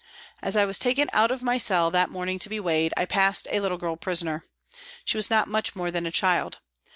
As I was taken out of my cell that morning to be weighed, I passed a little girl prisoner. She was not more than a child.